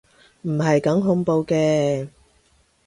唔係咁恐怖嘅